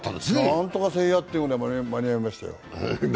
なんとかせいやってぐらい間に合いましたよ。